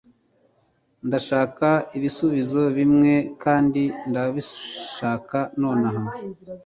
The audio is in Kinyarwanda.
ndashaka ibisubizo bimwe kandi ndabishaka nonaha